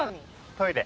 トイレ。